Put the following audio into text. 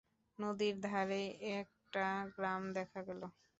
নদীর ধারেই একটা গ্রাম দেখা গেল।